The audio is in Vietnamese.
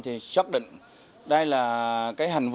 thì chắc định đây là hành vi